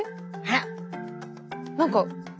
あら？何か。